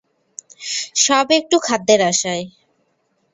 সব একটু খাদ্যের আশায়।